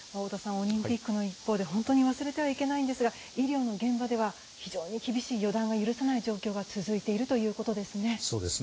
オリンピックの一方で本当に忘れてはいけないんですが医療の現場では非常に厳しい予断が許さない状況が続いているということですね。